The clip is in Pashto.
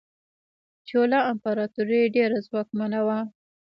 چولا امپراتوري ډیره ځواکمنه وه.